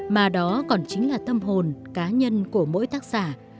mà đó còn chính là tâm hồn cá nhân của mỗi tác giả